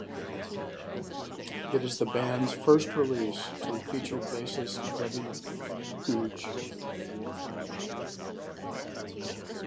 It is the band's first release to feature bassist Debbie Googe.